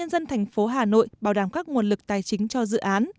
dân thành phố hà nội bảo đảm các nguồn lực tài chính cho dự án